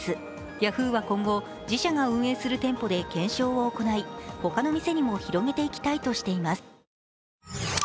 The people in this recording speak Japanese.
ヤフーは今後、自社が運営する店舗で検証を行い、他の店にも広めていきたいとしています。